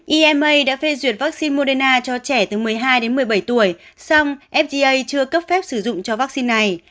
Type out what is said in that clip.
ima đã phê duyệt vaccine moderna cho trẻ từ một mươi hai đến một mươi bảy tuổi xong fda chưa cấp phép sử dụng cho vaccine này